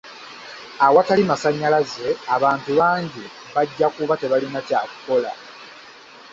Awatali masannyalaze abantu bangi bajja kuba tebalina kya kukola.